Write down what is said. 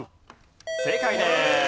正解です。